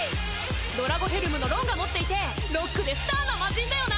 ドラゴヘルムのロンが持っていてロックでスターなマジンだよな！